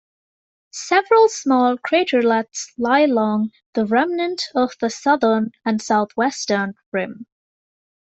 Several small craterlets lie along the remnant of the southern and southwestern rim.